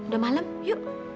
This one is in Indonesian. udah malem yuk